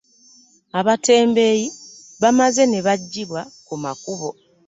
Abatembeeyi baamaze ne baggibwa ku makubo.